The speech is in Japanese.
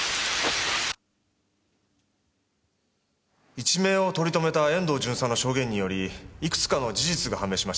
一命を取り留めた遠藤巡査の証言によりいくつかの事実が判明しました。